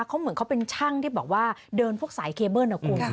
เขาเหมือนเขาเป็นช่างที่บอกว่าเดินพวกสายเคเบิ้ลนะคุณ